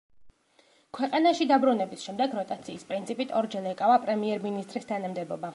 ქვეყნაში დაბრუნების შემდეგ როტაციის პრინციპით ორჯერ ეკავა პრემიერ-მინისტრის თანამდებობა.